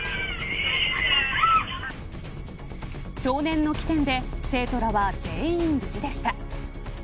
少年の機転で生徒らは全員無事でした。